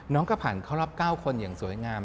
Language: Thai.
ก็ผ่านเข้ารอบ๙คนอย่างสวยงาม